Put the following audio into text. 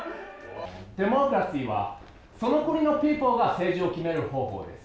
デモクラシーはその国のピープルが政治を決める方法です。